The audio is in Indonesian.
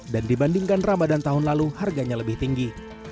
dan dibandingkan ramadan tahun lalu harganya lebih tinggi